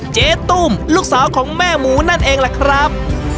เจ๊ตุ้มลูกสาวของแม่หมูนั่นเองล่ะครับ